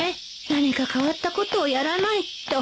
何か変わったことをやらないと